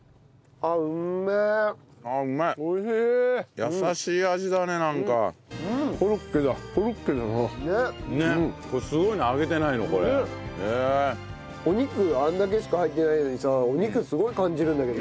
あれだけしか入ってないのにさお肉すごい感じるんだけど。